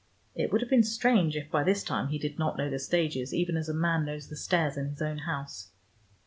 It would have been strange if by this time he did not know the stages, even as a man knows the stairs in his own house.